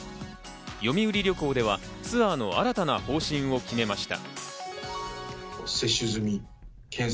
読売旅行ではツアーの新たな方針を決めました。